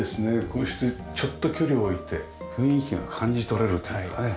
こうしてちょっと距離を置いて雰囲気が感じ取れるっていうかね。